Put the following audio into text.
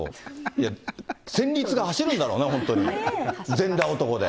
いや、戦慄が走るんだろうね、本当に、全裸男で。